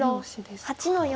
白８の四。